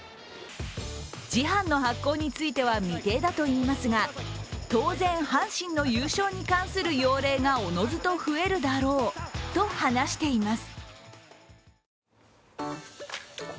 次版の発行については未定だといいますが当然、阪神の優勝に関する用例がおのずと増えるだろうと話しています。